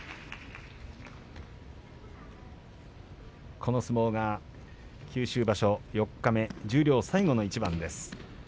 この相撲が九州場所四日目十両最後の一番です。